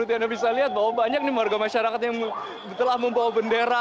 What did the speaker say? ya seperti anda bisa lihat bahwa banyak nih warga masyarakat yang telah membawa benda